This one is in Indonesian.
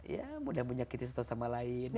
ya mudah menyakiti satu sama lain